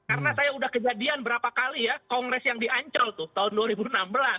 karena saya udah kejadian berapa kali ya kongres yang diancol tuh tahun dua ribu enam belas